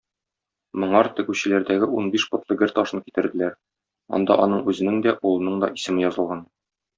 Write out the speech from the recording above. Моңар тегүчеләрдәге унбиш потлы гер ташын китерделәр, анда аның үзенең дә, улының да исеме язылган.